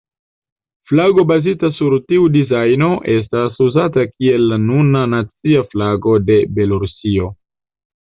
Flago bazita sur tiu dizajno estas uzata kiel la nuna nacia flago de Belorusio.